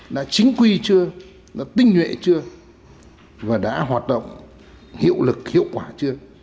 đã chính quy chưa đã tinh nhuệ chưa và đã hoạt động hiệu lực hiệu quả chưa